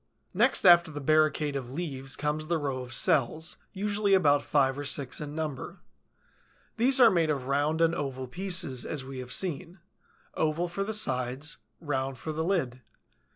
Next after the barricade of leaves comes the row of cells, usually about five or six in number. These are made of round and oval pieces, as we have seen; oval for the sides, round for the lid.